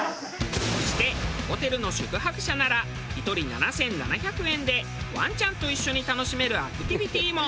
そしてホテルの宿泊者なら１人７７００円でワンちゃんと一緒に楽しめるアクティビティも。